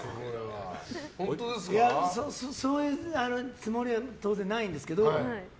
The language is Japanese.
そういうつもりは当然ないんですけど。